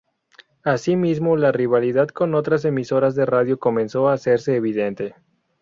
Asimismo, la rivalidad con otras emisoras de radio comenzó a hacerse evidente.